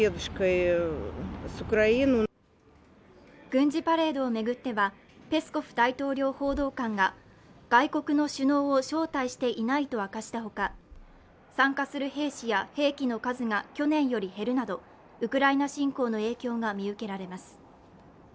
軍事パレードを巡ってはペスコフ大統領報道官が外国の首脳を招待していないと明かしたほか参加する兵士や兵器の数が去年より減るなどウクライナ侵攻の影響が見受けられます。